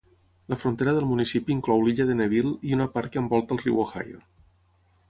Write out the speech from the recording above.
La frontera del municipi inclou l'illa de Neville i una part que envolta el riu Ohio.